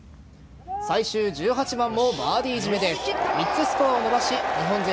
最終１８番もバーディー締めで３つスコアを伸ばし日本勢